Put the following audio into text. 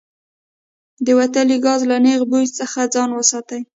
د وتلي ګاز له نیغ بوی څخه ځان وساتئ.